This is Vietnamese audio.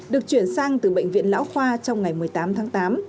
được chuyển sang từ bệnh viện lão khoa trong ngày một mươi tám tháng tám